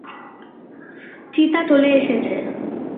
চিতা চলে এসেছে।